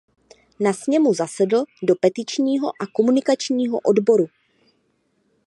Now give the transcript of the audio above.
Na sněmu zasedl do petičního a komunikačního odboru.